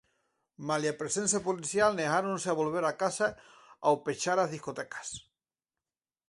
Malia a presenza policial, negáronse a volver a casa ao pechar as discotecas.